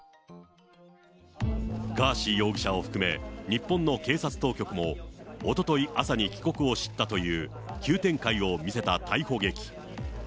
ガーシー容疑者を含め、日本の警察当局もおととい朝に帰国を知ったという、急展開を見せた逮捕劇。